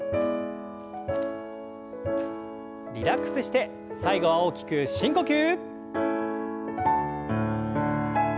リラックスして最後は大きく深呼吸。